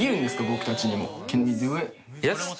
僕たちにも。